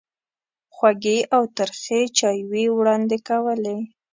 خوږې او ترخې چایوې وړاندې کولې.